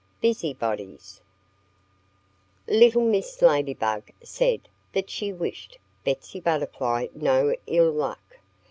IV BUSYBODIES LITTLE Mrs. Ladybug said that she wished Betsy Butterfly no ill luck.